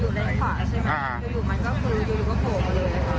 อยู่อยู่มันก็คืออยู่อยู่ก็โผล่มาเลย